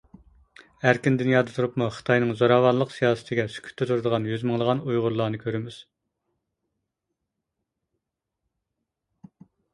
ئەركىن دۇنيادا تۇرۇپمۇ خىتاينىڭ زوراۋانلىق سىياسىتىگە سۈكۈتتە تۇرىدىغان يۈز مىڭلىغان ئۇيغۇرلارنى كۆرىمىز.